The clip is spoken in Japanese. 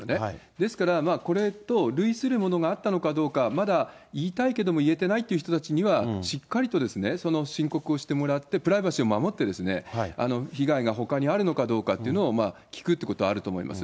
ですから、これと類するものがあったのかどうか、まだ言いたいけども言えてないって人についてはしっかりとですね、その申告をしてもらって、プライバシーを守って、被害がほかにあるのかどうかっていうのを聞くってことはあると思います。